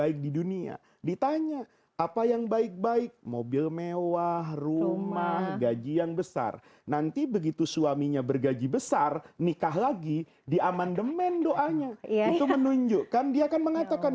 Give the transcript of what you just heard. itu menunjukkan dia akan mengatakan